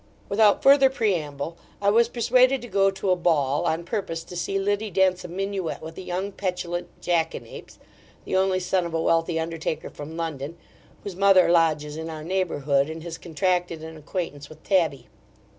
Without further preamble, I was persuaded to go to a ball, on purpose to see Liddy dance a minuet with a young petulant jackanapes, the only son of a wealthy undertaker from London, whose mother lodges in our neighbourhood, and has contracted an acquaintance with Tabby.